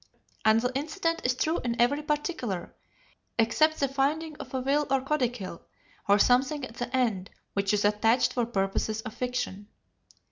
And the incident is true in every particular, except the finding of a will or codicil, or something at the end, which is attached for purposes of fiction.